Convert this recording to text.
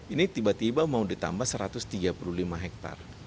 ini tiba tiba mau ditambah satu ratus tiga puluh lima hektare